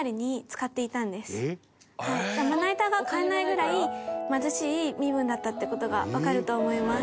まな板が買えないぐらい貧しい身分だったって事がわかると思います。